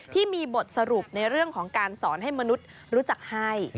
ที่มีบทสรุปในเรื่องของการสอนให้มนุษย์รู้จักให้